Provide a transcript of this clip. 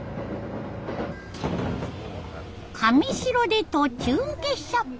神城で途中下車。